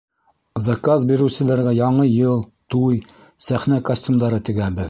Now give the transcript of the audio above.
Заказ биреүселәргә Яңы йыл, туй, сәхнә костюмдары тегәбеҙ.